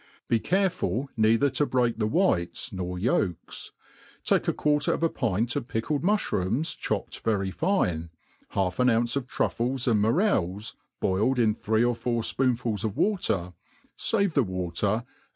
Be careful neither to break the whites nor yoiks, take a quarter of a pint of pickled mulhrooms chopped very fine, half an ounce of truf fles and morels, boikd in three or four fpoonfuls of water, fave the water, and.